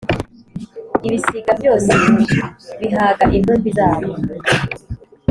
Ibisiga byose bihaga intumbi zabo.